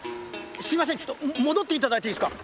すいませんちょっともどっていただいていいですか。